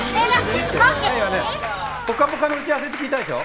「ぽかぽか」の打ち合わせって聞いたでしょ。